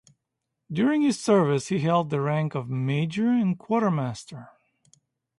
During his service he held the rank of major and quartermaster.